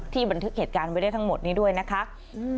บันทึกเหตุการณ์ไว้ได้ทั้งหมดนี้ด้วยนะคะอืม